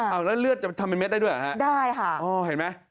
เอาแล้วเลือดจะทำเป็นเด็ดได้ด้วยเหรอฮะได้ค่ะอ๋อเห็นไหม